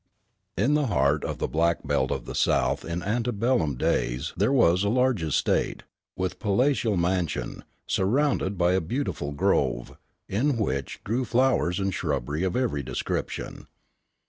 In the heart of the Black Belt of the South in ante bellum days there was a large estate, with palatial mansion, surrounded by a beautiful grove, in which grew flowers and shrubbery of every description.